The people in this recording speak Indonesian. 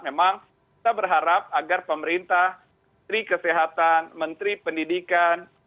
memang kita berharap agar pemerintah menteri kesehatan menteri pendidikan